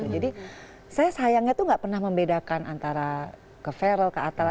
jadi saya sayangnya itu tidak pernah membedakan antara ke feral ke atala